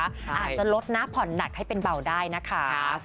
อาจจะลดนะผ่อนหนักให้เป็นเบาได้นะคะ